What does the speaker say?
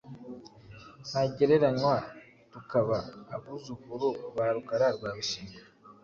ntagereranywa, tukaba abuzukuru ba Rukara rwa Bishingwe.”